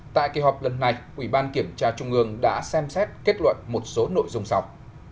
tại kỳ họp lần này ủy ban kiểm tra trung ương đã xem xét kết luận một số nội dung sau